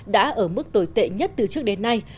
đã ở mức tồi tệ nhất từ trước đến nay